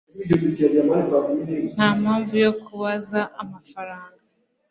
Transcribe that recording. ntampamvu yo kumbaza amafaranga